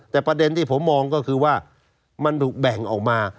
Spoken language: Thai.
แต่ประเด็นที่ผมมองก็คือว่ามันถูกแบ่งออกมา